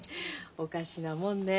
おかしなもんね